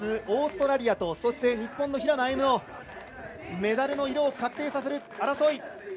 オーストラリアとそして、日本の平野歩夢のメダルの色を確定させる争い。